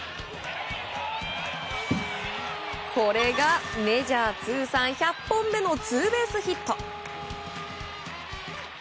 これがメジャー通算１００本目のツーベースヒット。